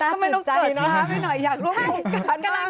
ทำไมลูกตั๋วที่รับให้หน่อยอยากรู้ว่าคุณกันมาก